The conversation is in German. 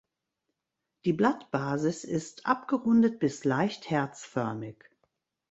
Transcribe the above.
Die Blattbasis ist abgerundet bis leicht herzförmig.